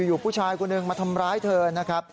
อยู่ผู้ชายคนหนึ่งมาทำร้ายเธอนะครับ